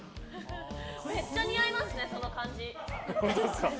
めっちゃ似合いますねその感じ。